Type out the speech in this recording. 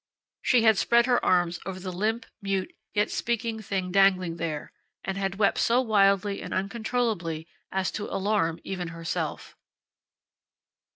She had spread her arms over the limp, mute, yet speaking thing dangling there, and had wept so wildly and uncontrollably as to alarm even herself.